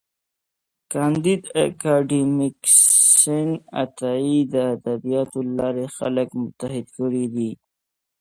کانديد اکاډميسن عطايي د ادبياتو له لارې خلک متحد کړي دي.